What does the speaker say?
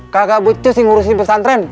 gak ada becus yang ngurusin pesantren